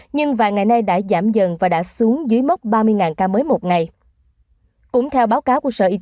nhưng vài ngày nay đã giảm nhẹ so với các ngày trước đó